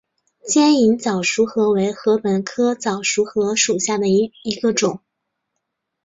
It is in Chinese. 尖颖早熟禾为禾本科早熟禾属下的一个种。